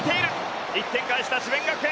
１点返した智弁学園。